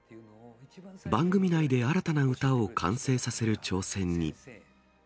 番組内で新たな歌を完成させる挑戦に。